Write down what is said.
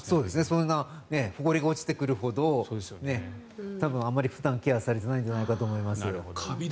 そんなほこりが落ちてくるほど多分あまり普段ケアされてないんじゃないかと思います。